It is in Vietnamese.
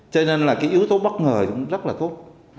cho nên là cái yếu tố bất ngờ cũng rất là tốt